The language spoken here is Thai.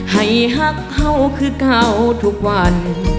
ให้หักเห่าคือเก่าทุกวัน